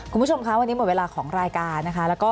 คุณผู้ชมคะวันนี้หมดเวลาของรายการนะคะ